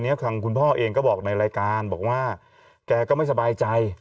ทางคุณพ่อเองก็บอกในรายการบอกว่าแกก็ไม่สบายใจ